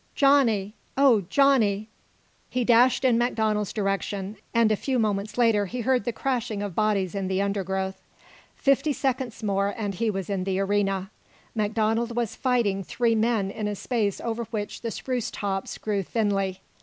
Johnny! Oh, Johnny!" He dashed in MacDonald's direction, and a few moments later heard the crashing of bodies in the undergrowth. Fifty seconds more and he was in the arena. MacDonald was fighting three men in a space over which the spruce tops grew thinly.